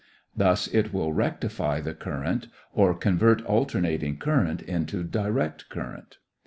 Thus it will "rectify" the current or convert alternating current into direct current.